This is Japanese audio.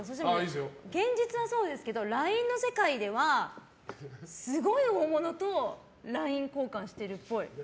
現実はそうなんですけどＬＩＮＥの世界ではすごい大物とＬＩＮＥ交換してるっぽい。